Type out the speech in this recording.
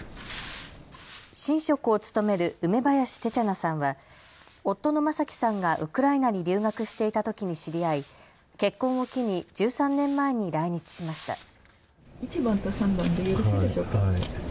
神職を務める梅林テチャナさんは夫の正樹さんがウクライナに留学していたときに知り合い結婚を機に１３年前に来日しました。